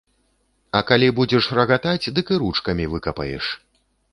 А калі будзеш рагатаць, дык і ручкамі выкапаеш!